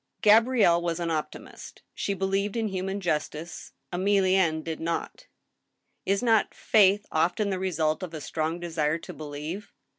Gabrielle was an optimist She believed in human justice. Emilienne did not. Is not faith often the result of a strong desire to believe